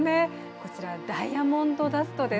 こちら、ダイヤモンドダストです。